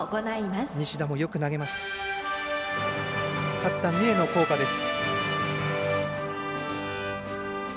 勝った三重の校歌です。